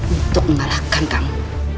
untuk membalahkan kamu